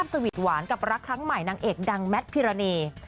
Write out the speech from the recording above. สวีทหวานกับรักครั้งใหม่นางเอกดังแมทพิรณี